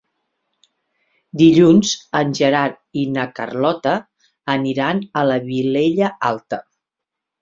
Dilluns en Gerard i na Carlota aniran a la Vilella Alta.